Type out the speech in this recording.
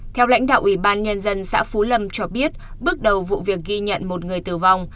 theo lãnh đạo ủy ban nhân dân xã phú lâm cho biết bước đầu vụ việc ghi nhận một người tử vong